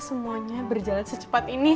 semuanya berjalan secepat ini